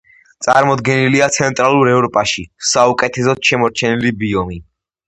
წარმოდგენილია ცენტრალურ ევროპაში საუკეთესოდ შემორჩენილი ბიომი.